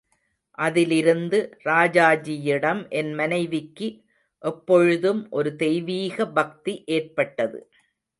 அதிலிருந்து ராஜாஜியிடம் என் மனைவிக்கு எப்பொழுதும் ஒரு தெய்வீக பக்தி ஏற்பட்டது.